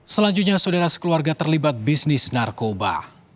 selanjutnya saudara sekeluarga terlibat bisnis narkoba